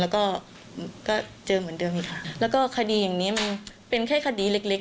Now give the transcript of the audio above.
แล้วก็ก็เจอเหมือนเดิมอีกค่ะแล้วก็คดีอย่างนี้มันเป็นแค่คดีเล็กเล็ก